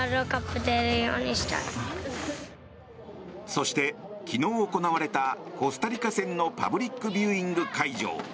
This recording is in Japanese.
そして昨日行われたコスタリカ戦のパブリックビューイング会場。